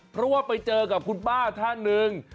เพราะว่าไปเจอกับคุณป้าท่านหนึ่ง